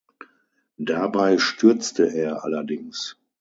Dabei stürzte er allerdings.